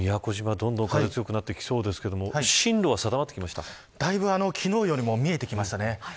どんどん風強くなってきそうですけれどもだいぶ昨日よりも見えてきましたね。